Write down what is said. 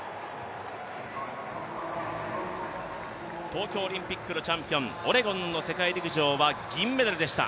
東京オリンピックのチャンピオンオレゴンの世界陸上は銀メダルでした。